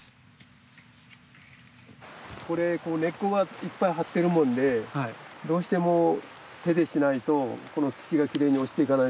これここ根っこがいっぱい張ってるもんでどうしても手でしないとこの土がきれいに落ちていかないんですよ。